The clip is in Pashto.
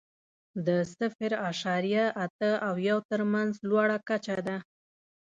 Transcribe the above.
د صفر اعشاریه اته او یو تر مینځ لوړه کچه ده.